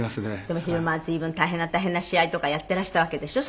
でも昼間は随分大変な大変な試合とかやっていらしたわけでしょ？